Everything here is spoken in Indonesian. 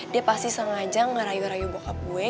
dia pasti sengaja ngerayu rayu bahub gue